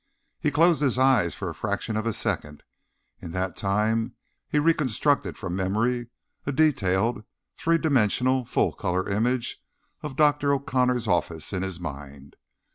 He closed his eyes for a fraction of a second. In that time he reconstructed from memory a detailed, three dimensional, full color image of Dr. O'Connor's office in his mind.